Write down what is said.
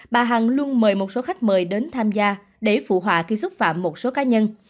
bà hằng luôn mời một số khách mời đến tham gia để phụ họa khi xúc phạm một số cá nhân